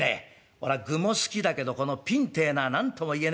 俺はグも好きだけどピンってえのは何とも言えねえんだ。